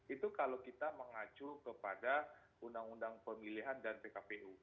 itu kalau kita mengacu kepada undang undang pemilihan dan pkpu